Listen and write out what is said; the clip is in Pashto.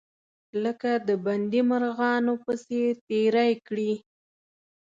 لکه د بندي مرغانو په څیر تیرې کړې.